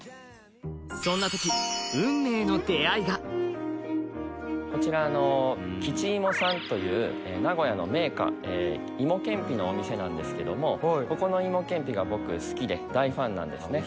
そんな時運命の出会いがこちら吉芋さんという名古屋の銘菓芋ケンピのお店なんですけどもここの芋ケンピが僕好きで大ファンなんですね